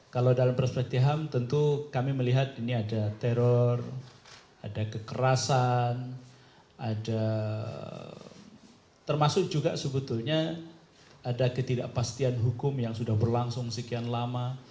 kalau dalam perspektif ham tentu kami melihat ini ada teror ada kekerasan termasuk juga sebetulnya ada ketidakpastian hukum yang sudah berlangsung sekian lama